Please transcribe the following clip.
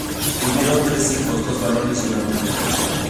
Tuvieron tres hijos, dos varones y una mujer.